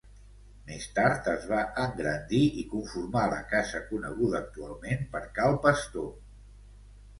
Més tard es va engrandir i conformar la casa coneguda actualment per cal Pastor.